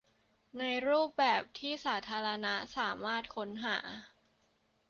ในรูปแบบที่สาธารณะสามารถค้นหา